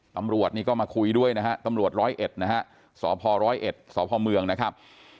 ตำรวจนี่ก็มาคุยด้วยนะฮะตำรวจ๑๐๑นะฮะสภ๑๐๑สภเมืองนะครับ